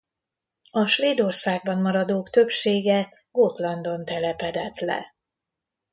A Svédországban maradók többsége Gotlandon telepedett le.